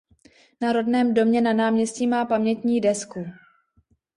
Na rodném domě na náměstí má pamětní desku.